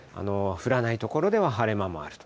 降らない所では晴れ間もある。